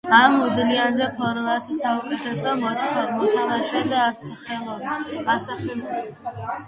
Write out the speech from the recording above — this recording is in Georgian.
ამ მუნდიალზე ფორლანს საუკეთესო მოთამაშედ ასახელებენ.